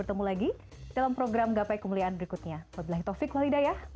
semakin lama aku kembali